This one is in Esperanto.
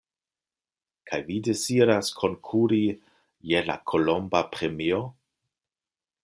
Kaj vi deziras konkuri je la kolomba premio?